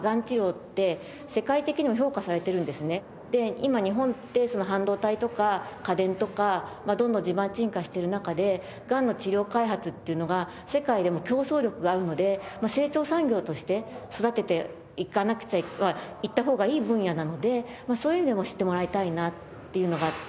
今日本って半導体とか家電とかどんどん地盤沈下している中でがんの治療開発っていうのが世界でも競争力があるので成長産業として育てていった方がいい分野なのでそういう意味でも知ってもらいたいなっていうのがあって。